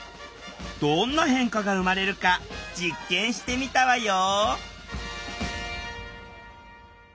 どんな変化が生まれるか実験してみたわよ！